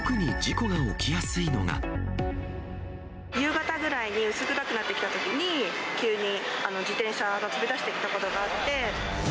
夕方ぐらいに、薄暗くなってきたときに、急に自転車が飛び出してきたことがあって。